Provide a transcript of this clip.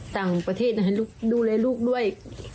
ต่างประเทศอะให้ดูเลลูกด้วย